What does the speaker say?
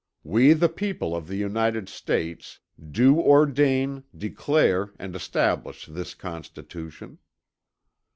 "We the people of the United States" "do ordain, declare and establish this Constitution."